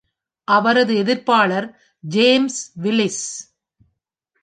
அவரது எதிர்ப்பாளர் James Willis